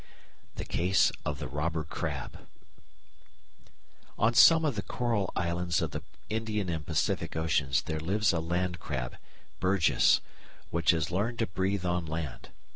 The Case of the Robber Crab On some of the coral islands of the Indian and Pacific Oceans there lives a land crab, Birgus, which has learned to breathe on land.